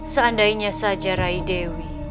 seandainya saja rai dewi